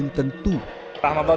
namun belum tentu